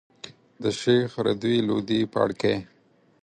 د شيخ رضی لودي پاړکی.